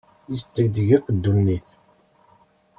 Isdegdeg akk ddunit.